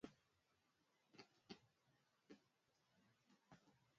Tigray anafaa kujiuzulu katika wadhifa wake iwapo ataendelea kutoa matamshi kama hayo